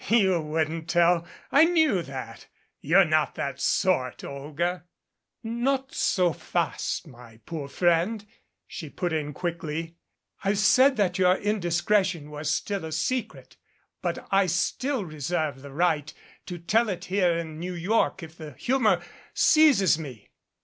"You wouldn't tell. I knew that. You're not that sort, Olga " "Not so fast, ray poor friend," she put in quickly. "I've said that your indiscretion was still a secret, but I still reserve the right to tell it here in New York if the humor seizes me."